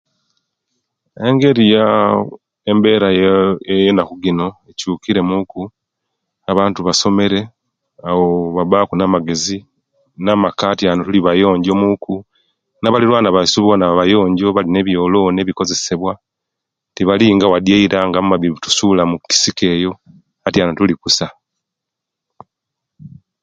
Engeri yaaa embera yee yenaku gino ekyukire muku, abantu basomere awo nibabaku namagez, namaka atyanu tuli bayonjo muku nabalirwana basu bona bayonjo balina ebyoloni ebikozesewa tebalinga eira amabibi nga bagasula mukisiko eyo, atyanu tuli kusa.